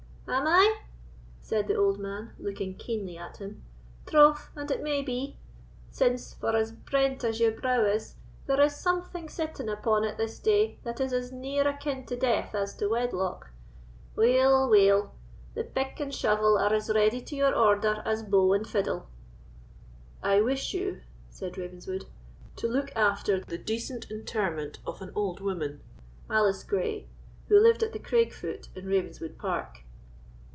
"Am I?" said the old man, looking keenly at him, "troth and it may be; since, for as brent as your brow is, there is something sitting upon it this day that is as near akin to death as to wedlock. Weel—weel; the pick and shovel are as ready to your order as bow and fiddle." "I wish you," said Ravenswood, "to look after the decent interment of an old woman, Alice Gray, who lived at the Graig foot in Ravenswood Park."